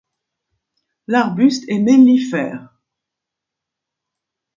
L'arbuste est mellifère.